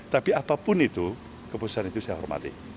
tapi apapun itu keputusan itu saya hormati